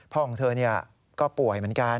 พ่อของเธอเนี่ยก็ป่วยเหมือนกัน